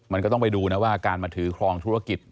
มันก็ต้องไปดูนะว่าการมาถือครองธุรกิจ